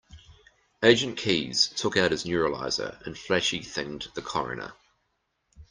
Agent Keys took out his neuralizer and flashy-thinged the coroner.